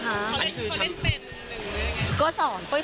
อันนี้คือทางเขาเล่นเป็นอยู่หรือเปล่า